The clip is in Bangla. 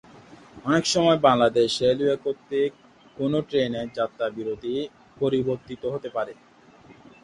অনেকসময় বাংলাদেশ রেলওয়ে কর্তৃক কোনো ট্রেনের যাত্রাবিরতি পরিবর্তিত হতে পারে।